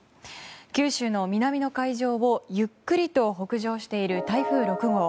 九州の南の海上をゆっくりと北上している台風６号。